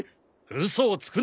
嘘をつくな。